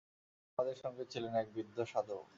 আমাদের সঙ্গে ছিলেন এক বৃদ্ধ সাধু।